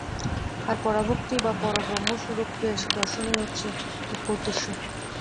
আর পরাভক্তি বা পরব্রহ্মস্বরূপকে দর্শনই হচ্ছে মুখ্য উদ্দেশ্য।